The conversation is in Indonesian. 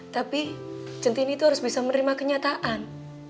tapi centini itu harus bisa menerima kenyataan